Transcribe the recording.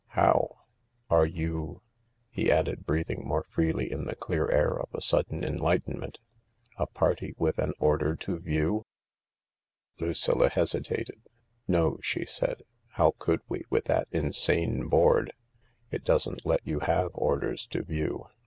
" How ?... Are you," he added, breathing more freely in the clear air of a sudden enlightenment, " a party with an order to view ?" Lucilla hesitated. "No," she said, "how could we, THE LARK 59 with that insane board ? It doesn't let you have orders to view."